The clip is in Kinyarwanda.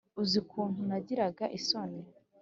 uzi ukuntu nagiraga isoniii